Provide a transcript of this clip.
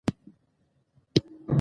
د مېلو یوه برخه د موسیقۍ محفلونه يي.